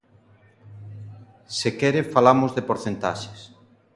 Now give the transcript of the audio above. ¡Se quere falamos de porcentaxes!